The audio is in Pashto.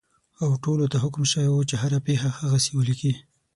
او ټولو ته حکم شوی وو چې هره پېښه هغسې ولیکي.